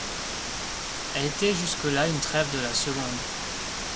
Elle était jusque-là une trève de la seconde.